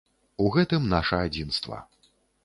У гэтым наша адзінства.